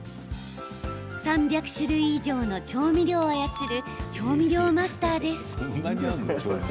３００種類以上の調味料を操る調味料マスターです。